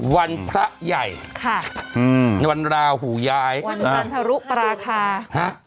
วันพระใหญ่ค่ะอืมวันราหูย้ายวันจันทรุปราคาฮะ